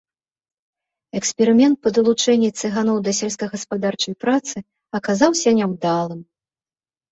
Эксперымент па далучэнні цыганоў да сельскагаспадарчай працы аказаўся няўдалым.